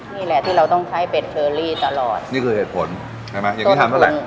นี่แหละที่เราต้องใช้เป็ดเชอรี่ตลอดนี่คือเหตุผลใช่ไหมอย่างที่ทำเท่าไหร่